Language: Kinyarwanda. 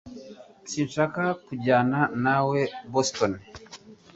Sinshaka kujyana nawe i Boston